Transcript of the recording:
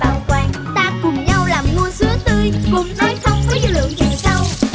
ta cùng nhau làm ngô sứa tươi cùng nói không có dư lượng gì không